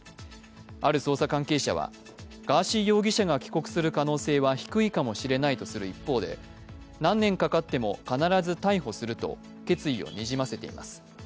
ある捜査関係者は、ガーシー容疑者が帰国する可能性は低いかもしれないとする一方で何年かかっても必ず逮捕すると決意をにじませています。